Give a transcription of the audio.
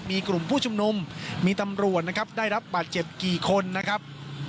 มีกลุ่มผู้ชุมนุมมีตำรวจนะครับได้รับบาดเจ็บกี่คนนะครับ